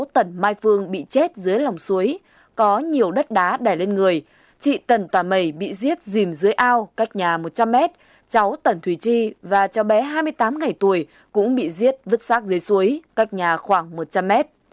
tẩn mai phương bị chết dưới lòng suối có nhiều đất đá đẻ lên người chị tẩn tả mẩy bị giết dìm dưới ao cách nhà một trăm linh m cháu tẩn thùy chi và cho bé hai mươi tám ngày tuổi cũng bị giết vứt sát dưới suối cách nhà khoảng một trăm linh m